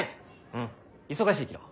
うん忙しいきの。